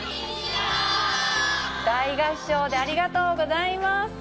大合唱でありがとうございます。